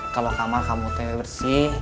kalau kamar kamu teh bersih